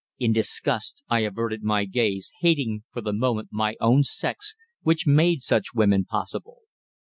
In disgust I averted my gaze, hating, for the moment, my own sex, which made such women possible.